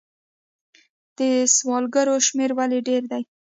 د سوالګرو شمیر ولې ډیر دی؟